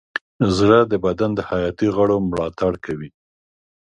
زړه د بدن د حیاتي غړو ملاتړ کوي.